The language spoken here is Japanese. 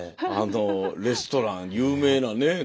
あのレストラン有名なね